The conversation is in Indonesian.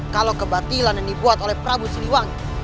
kalau kebatilan yang dibuat oleh prabu siliwangi